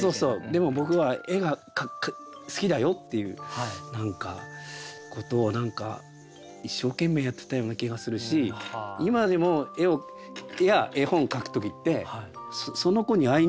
でも僕は絵が好きだよっていうことを何か一生懸命やってたような気がするし今でも絵や絵本を描く時ってその子に会いに行くんですよ。